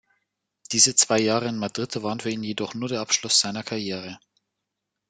Diese zwei Jahre in Madrid waren für ihn jedoch nur der Abschluss seiner Karriere.